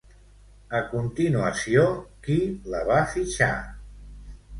A continuació, qui la va fitxar?